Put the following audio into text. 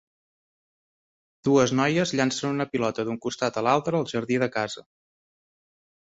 Dues noies llancen una pilota d'un costat a l'altre al jardí de casa.